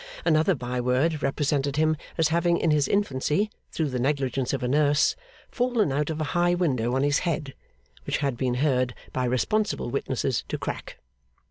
Another by word represented him as having in his infancy, through the negligence of a nurse, fallen out of a high window on his head, which had been heard by responsible witnesses to crack.